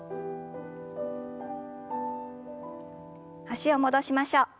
脚を戻しましょう。